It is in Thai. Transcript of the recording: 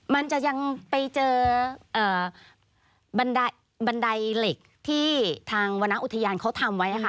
มันจะยังไปเจอบันไดเหล็กที่ทางวรรณอุทยานเขาทำไว้ค่ะ